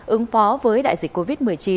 ứng phó với đại dịch covid một mươi chín